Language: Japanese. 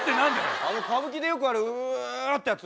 歌舞伎でよくあるう！ってやつ。